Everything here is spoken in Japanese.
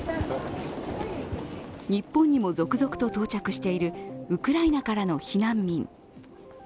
日本にも続々と到着しているウクライナからの避難民。